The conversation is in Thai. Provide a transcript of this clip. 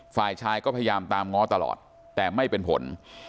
ฝ่ายชายก็พยายามตามง้อตลอดแต่ไม่เป็นผล